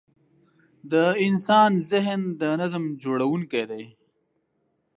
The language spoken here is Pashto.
د انسان ذهن د نظم جوړوونکی دی.